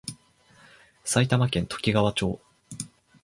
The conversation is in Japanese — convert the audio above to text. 埼玉県ときがわ町